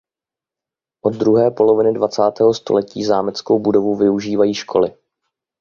Od druhé poloviny dvacátého století zámeckou budovu využívají školy.